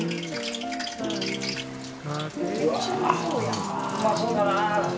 めっちゃうまそうやん。